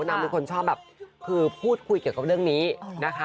นางเป็นคนชอบแบบคือพูดคุยเกี่ยวกับเรื่องนี้นะคะ